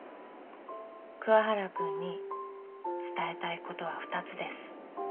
「桑原君に伝えたいことは２つです」